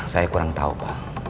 saya kurang tahu pak